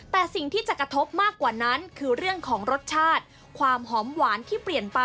แต่สิ่งที่จะกระทบมากกว่านั้นคือเรื่องของรสชาติความหอมหวานที่เปลี่ยนไป